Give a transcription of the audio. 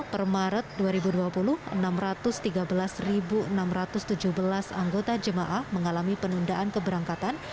per maret dua ribu dua puluh enam ratus tiga belas enam ratus tujuh belas anggota jemaah mengalami penundaan keberangkatan